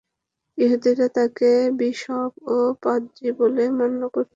ইহুদীরা তাকে বিশপ ও পাদ্রী বলে মান্য করত।